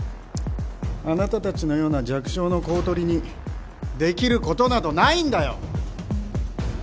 あなたたちのような弱小の公取にできることなどないんだよ！